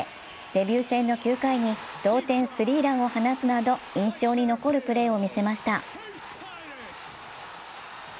デビュー戦の９回に同点スリーランを放つなど印象に残るプレーを見せました。